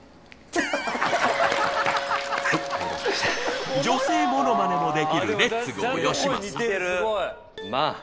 はいありがとうございましたもできるレッツゴーよしまさまあ